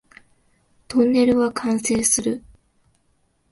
トンネルは完成する